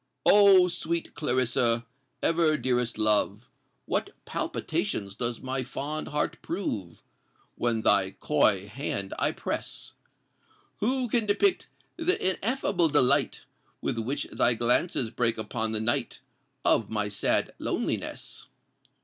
Oh! sweet Clarissa—ever dearest love! What palpitations does my fond heart prove When thy coy hand I press! Who can depict th' ineffable delight With which thy glances break upon the night Of my sad loneliness?